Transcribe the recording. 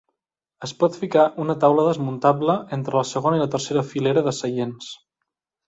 Es pot ficar una taula desmuntable entre la segona i la tercera filera de seients.